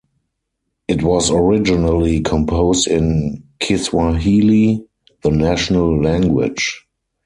It was originally composed in Kiswahili, the national language.